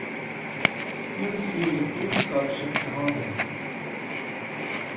He received a full scholarship to Harvard.